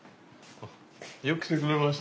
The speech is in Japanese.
よく来てくれました。